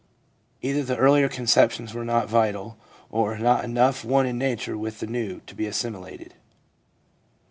Either the earlier conceptions were not vital or are not enough one in nature with the new to be assimilated.